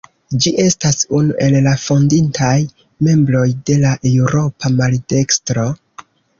Ĝi estas unu el la fondintaj membroj de la Eŭropa Maldekstro.